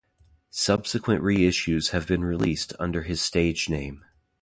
Subsequent reissues have been released under his stage name.